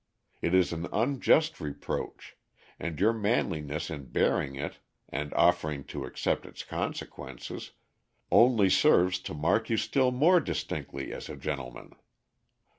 It is an unjust reproach, and your manliness in bearing it and offering to accept its consequences, only serves to mark you still more distinctly as a gentleman.